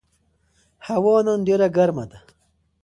هوا نن ډېره ګرمه ده.